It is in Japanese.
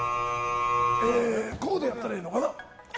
ここでやったらいいのかな。